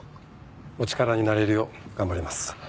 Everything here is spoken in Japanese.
お力になれるよう頑張ります。